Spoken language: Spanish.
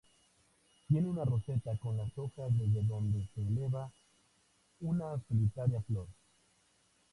Tiene una roseta con las hojas desde donde se eleva una solitaria flor.